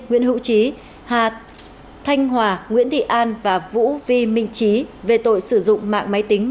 nguyễn hữu trí hà thanh hòa nguyễn thị an và vũ vi minh trí về tội sử dụng mạng máy tính